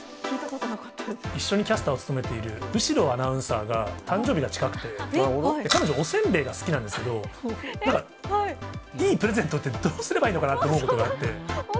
一緒にキャスターを務めている後呂アナウンサーが誕生日が近くて、彼女、おせんべいが好きなんですけど、いいプレゼントってどうすればいいのかなと思うことがあって。